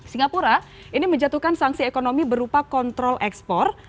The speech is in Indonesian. singapura ini menjatuhkan sanksi ekonomi berupa kontrol ekspor